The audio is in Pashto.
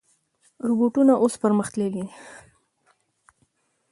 روباټونه اوس پرمختللي دي.